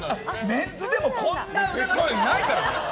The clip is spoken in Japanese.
メンズでもこんな腕の人いないからね。